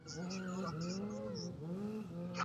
Bintu byote beko na biujisha kwetu kwa papa